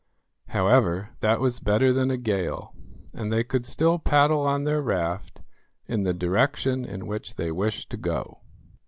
However, that was better than a gale, and they could still paddle on their raft in the direction in which they wished to go.